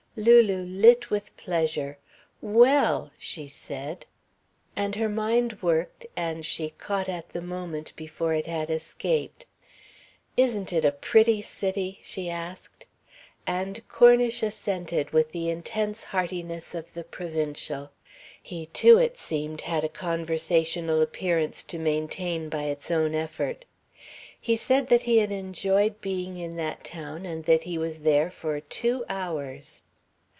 Lulu lit with pleasure. "Well!" she said. And her mind worked and she caught at the moment before it had escaped. "Isn't it a pretty city?" she asked. And Cornish assented with the intense heartiness of the provincial. He, too, it seemed, had a conversational appearance to maintain by its own effort. He said that he had enjoyed being in that town and that he was there for two hours.